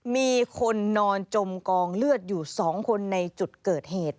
มีคนนอนจมกองเลือดอยู่๒คนในจุดเกิดเหตุ